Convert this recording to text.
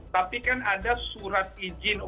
tapi kan ada surat izin